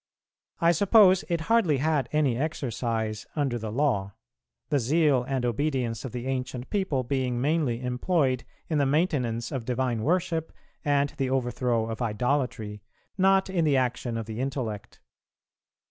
I suppose, it hardly had any exercise under the Law; the zeal and obedience of the ancient people being mainly employed in the maintenance of divine worship and the overthrow of idolatry, not in the action of the intellect.